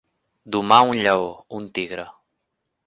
Domar un lleó, un tigre.